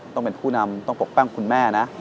ต้องเป็นผู้นำต้องปกป้องคุณแม่นะ